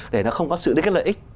để nó không có sự đối kết lợi ích